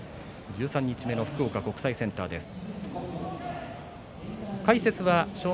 十三日目の福岡国際センターです。